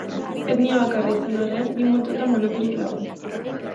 Etnia bakarra izan arren, bi multzotan banaturik dago.